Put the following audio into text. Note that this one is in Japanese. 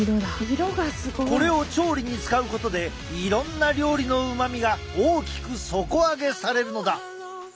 これを調理に使うことでいろんな料理のうまみが大きく底上げされるのだ。